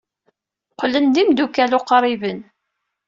Qqlen d imeddukal uqriben.